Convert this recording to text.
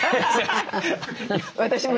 私も。